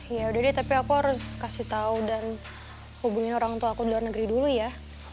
ya udah deh tapi aku harus kasih tahu dan hubungin orang tua aku di luar negeri dulu ya